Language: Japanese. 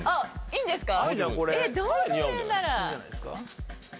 いいですか？